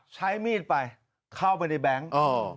ใช้มีดไปเข้าไปในแบงค์